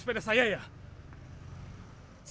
siapa yang bertalar baru